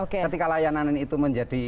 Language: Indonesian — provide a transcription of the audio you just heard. ketika layanan itu menjadi